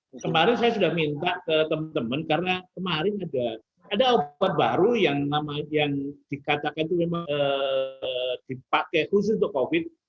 dan kemarin saya sudah minta ke teman teman karena kemarin ada obat baru yang dikatakan itu memang dipakai khusus untuk covid sembilan belas